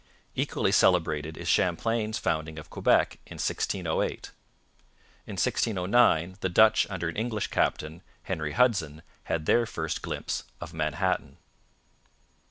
Equally celebrated is Champlain's founding of Quebec in 1608. In 1609 the Dutch under an English captain, Henry Hudson, had their first glimpse of Manhattan.